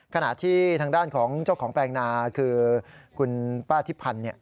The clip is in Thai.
ขณะที่ทางด้านของเจ้าของแปลงนาคือคุณป้าทิพันธ์เนี่ย